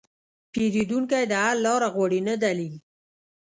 پیرودونکی د حل لاره غواړي، نه دلیل.